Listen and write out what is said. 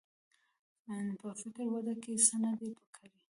په فکري وده کې څه نه دي کړي.